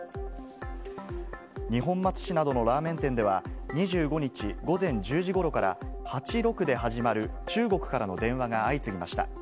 二本松市などのラーメン店では２５日午前１０時ごろから、８６で始まる中国からの電話が相次ぎました。